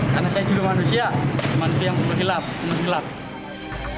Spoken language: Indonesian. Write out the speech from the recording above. karena saya juga manusia manusia yang berkilap